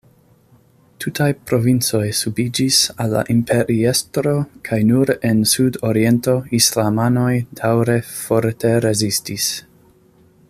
Tutaj provincoj subiĝis al la imperiestro kaj nur en sud-oriento islamanoj daŭre forte rezistis.